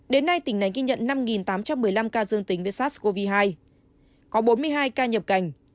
đến nay tỉnh này ghi nhận năm tám trăm một mươi năm ca dương tính với sars cov hai có bốn mươi hai ca nhập cảnh